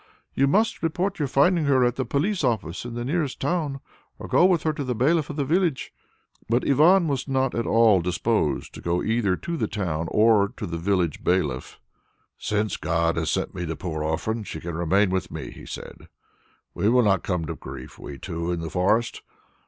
You must report your finding her at the police office in the nearest town, or go with her to the bailiff of the village." But Ivan was not at all disposed to go either to the town or to the village bailiff. "Since God has sent me the poor orphan, she can remain with me," he said. "We will not come to grief, we two, in the forest.